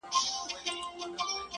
سو بېهوښه هغه دم يې زکندن سو،